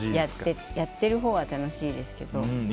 やってるほうは楽しいですけど。